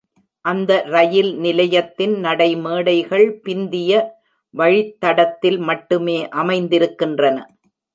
அந்த ரயில்நிலையத்தின் நடைமேடைகள் பிந்திய வழித்தடத்தில் மட்டுமே அமைந்திருக்கின்றன.